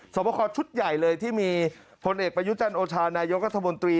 บคอชุดใหญ่เลยที่มีผลเอกประยุจันทร์โอชานายกรัฐมนตรี